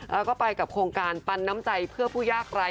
แล้วก็ไปกับโครงการปันน้ำใจเพื่อผู้ยากไร้